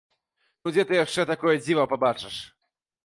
Ну дзе ты яшчэ такое дзіва пабачыш?